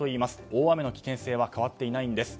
大雨の危険性は変わっていないんです。